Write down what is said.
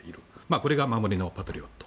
これが守りのパトリオット。